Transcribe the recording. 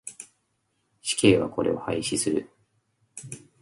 死刑はこれを廃止する。